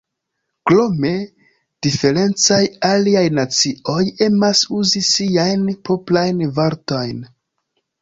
Krome, diferencaj aliaj nacioj emas uzi siajn proprajn vortojn.